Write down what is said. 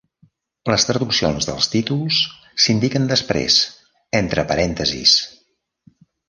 Les traduccions dels títols s'indiquen després, entre parèntesis.